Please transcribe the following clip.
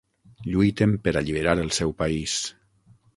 Lluiten per alliberar el seu país.